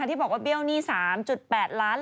ที่บอกว่าเบี้ยวหนี้๓๘ล้าน